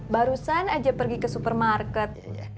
barusan aja pergi ke supermarket